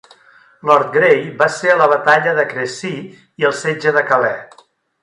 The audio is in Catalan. Lord Grey va ser a la Batalla de Crécy i el Setge de Calais.